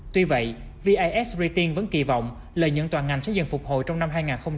tuy vậy vis rating vẫn kỳ vọng lợi nhuận toàn ngành sẽ dần phục hồi trong năm hai nghìn hai mươi